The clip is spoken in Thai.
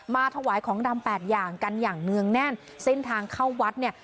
ถวายของดำแปดอย่างกันอย่างเนื่องแน่นเส้นทางเข้าวัดเนี่ย